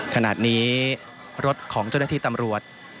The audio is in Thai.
ขณะนี้รถของเจ้าหน้าที่ตำรวจ